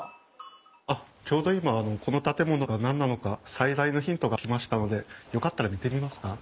あっちょうど今この建物が何なのか最大のヒントが来ましたのでよかったら見てみますか？